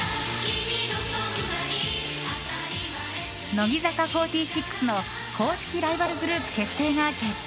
乃木坂４６の公式ライバルグループ結成が決定。